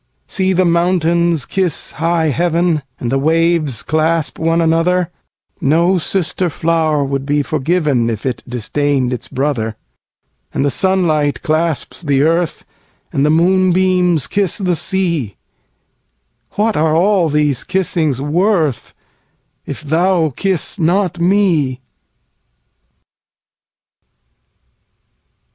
See the mountains kiss high heaven, And the waves clasp one another; No sister flower would be forgivenIf it disdain'd its brother; And the sunlight clasps the earth, And the moonbeams kiss the sea—What are all these kissings worth, If thou kiss not me?